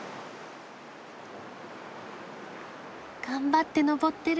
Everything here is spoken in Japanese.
頑張って登ってる。